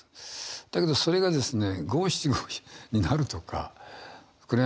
だけどそれがですね